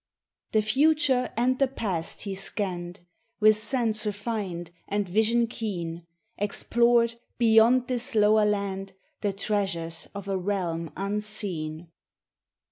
The future and the past he scanned ; With sense refined and vision keen, Explored, beyond this lower land, The treasures of a realm unseen.